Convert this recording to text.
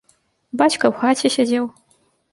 Бацька ў хаце сядзеў.